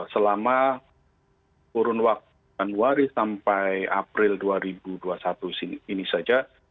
selama kurun waktu januari sampai april dua ribu dua puluh satu ini saja